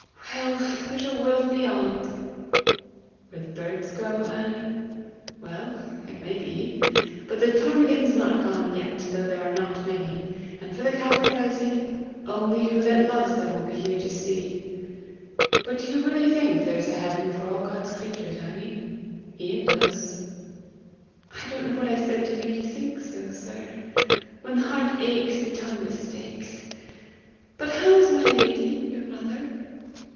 Well, there's a world beyond!" "Where the birds go, Annie? Well, it may be! But the ptarmigan's not gone yet, though there are not many; and for the capercailzie only who that loves them will be here to see! But do you really think there is a heaven for all God's creatures, Annie? Ian does." "I don't know what I said to make you think so, sir! When the heart aches the tongue mistakes. But how is my lady, your mother?"